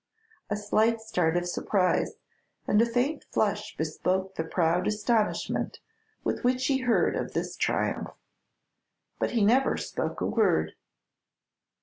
A slight start of surprise and a faint flush bespoke the proud astonishment with which he heard of this triumph; but he never spoke a word.